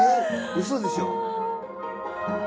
うそでしょう？